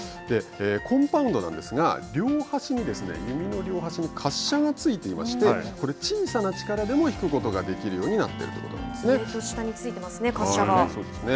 コンパウンドなんですが弓の両端に滑車がついていまして小さな力でも引くことができるようになって上と下についていますね